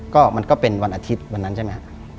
ก็มันก็เป็นวันอาทิตย์วันนั้นใช่ไหมครับ